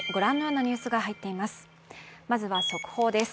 まずは速報です。